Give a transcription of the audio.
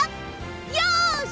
よし！